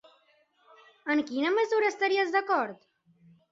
En quina mesura estaries d"acord?